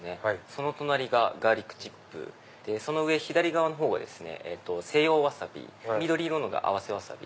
その隣がガーリックチップその上左側の方が西洋ワサビ緑色のが合わせワサビ。